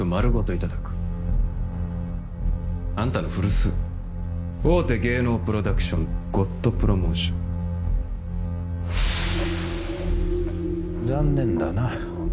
いただくあんたの古巣大手芸能プロダクションゴッド・プロモーション残念だな